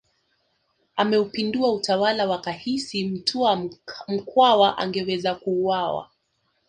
Ameupindua utawala wakahisi Mtwa Mkwawa angeweza kuuawa